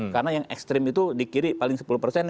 karena yang ekstrim itu di kiri paling sepuluh persen